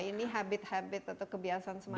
ini habit habit atau kebiasaan semacam ini